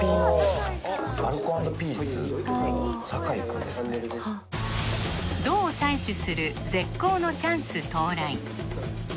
アルコ＆ピースの酒井くんですねはあドを採取する絶好のチャンス到来